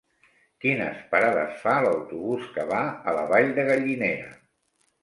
Quines parades fa l'autobús que va a la Vall de Gallinera?